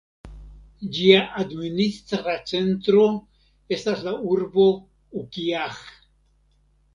Ĝia administra centro estas la urbo Ukiah.